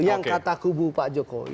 yang kataku bu pak jokowi